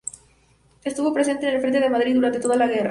Estuvo presente en el Frente de Madrid durante toda la guerra.